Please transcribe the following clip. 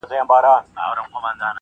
په تېرو غاښو مي دام بيرته شلولى-